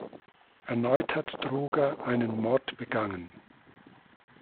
Erneut hat Troger einen Mord begangen.